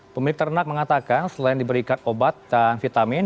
pemilik ternak mengatakan selain diberikan obat dan vitamin